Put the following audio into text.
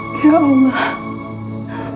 sekala sesuatu yang terjadi